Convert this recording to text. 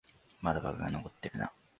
まだバグが残ってるな